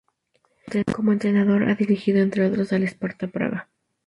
Como entrenador ha dirigido, entre otros, al Sparta Praga.